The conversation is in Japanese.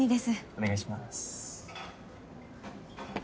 お願いします。